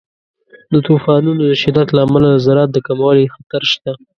د طوفانونو د شدت له امله د زراعت د کموالي خطر شته.